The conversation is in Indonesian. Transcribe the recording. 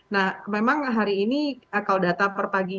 nah memang hari ini kalau data per pagi